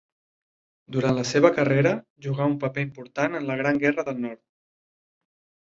Durant la seva carrera, jugà un paper important en la Gran Guerra del Nord.